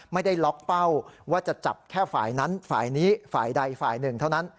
ไม่ได้ล็อกเป้าว่าจะจับแค่ฝ่ายนั้นฝ่ายนี้ฝ่ายใดฝ่ายหนึ่งเท่านั้น